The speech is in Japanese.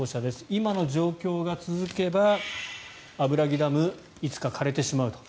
今の状況が続けば、油木ダムいつか枯れてしまうと。